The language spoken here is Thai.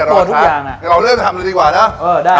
าก็เดี๋ยวเราเริ่มทำได้ดีกว่าเนอะ